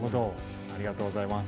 ありがとうございます。